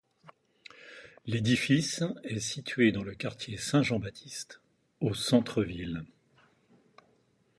L'édifice est situé dans le quartier Saint-Jean-Baptiste, au centre-ville.